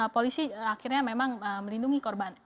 polisi akhirnya memang melindungi korban